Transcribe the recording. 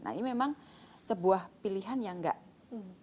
nah ini memang sebuah pilihan yang tidak gampang ya